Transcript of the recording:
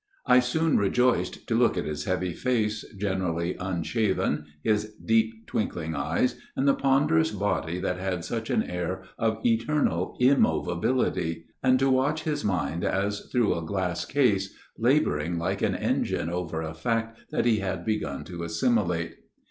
I soon rejoiced to look at his heavy face, generally un shaven, his deep twinkling eyes, and the ponderous body that had such an air of eternal immov ability, and to watch his mind, as through a glass case, labouring like an engine over a fact that he had begun to assimilate.